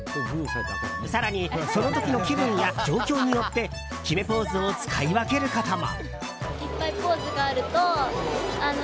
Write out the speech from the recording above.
更に、その時の気分や状況によって決めポーズを使い分けることも。